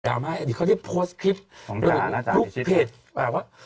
อันนี้เขาที่โพสต์คลิปบุคเพจบอกว่า